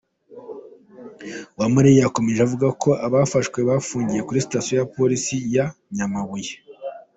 Uwamariya yakomeje avuga ko abafashwe bafungiye kuri Sitasiyo ya Polisi ya Nyamabuye.